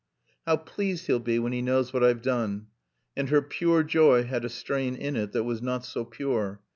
"How pleased he'll be when he knows what I've done!" And her pure joy had a strain in it that was not so pure.